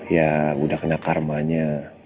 ya udah kena karmanya